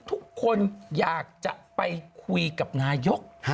ทุกคนอยากจะไปคุยกับนายก